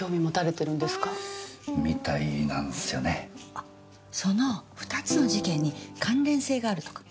あっその２つの事件に関連性があるとか？